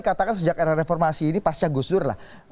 katakan sejak era reformasi ini pasti agus dur lah